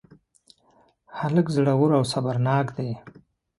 هلک زړور او صبرناک دی.